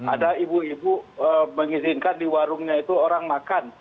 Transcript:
ada ibu ibu mengizinkan di warungnya itu orang makan